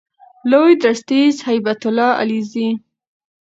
لوی درستیز هیبت الله علیزی